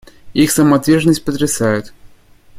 Их самоотверженность потрясает.